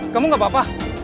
kamu gak apa apa